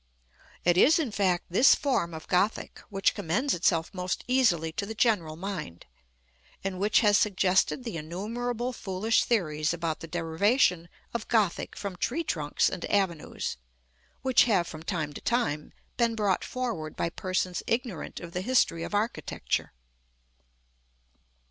It is, in fact, this form of Gothic which commends itself most easily to the general mind, and which has suggested the innumerable foolish theories about the derivation of Gothic from tree trunks and avenues, which have from time to time been brought forward by persons ignorant of the history of architecture.